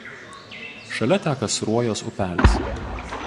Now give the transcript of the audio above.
Šalia teka Sruojos upelis.